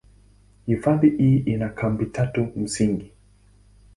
Hifadhi hii ina kambi tatu msingi.